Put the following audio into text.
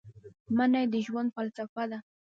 مني د ژوند فلسفه ده